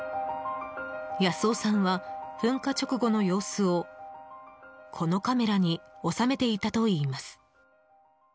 保男さんは、噴火直後の様子をこのカメラに収めていたといいます。